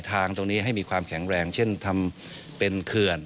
ทางตรงนี้ให้มีความแข็งแรงเช่นทำเป็นเขื่อน